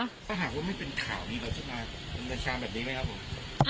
ถ้าหากว่าไม่เป็นข่าวมีเราที่มามันจะแชร์แบบนี้ไหมครับผม